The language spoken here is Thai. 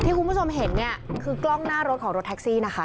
คุณผู้ชมเห็นเนี่ยคือกล้องหน้ารถของรถแท็กซี่นะคะ